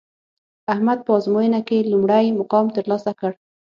احمد په ازموینه کې لومړی مقام ترلاسه کړ